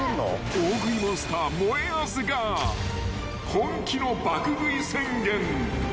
［大食いモンスターもえあずが本気の爆食い宣言］